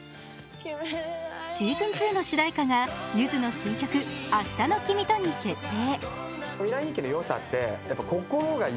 シーズン２の主題歌がゆずの新曲「明日の君と」に決定。